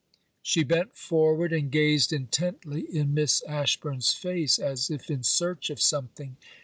She bent forward; and gazed intently in Miss Ashburn's face, as if in search of something.